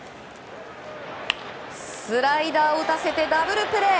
スライダーを打たせてダブルプレー。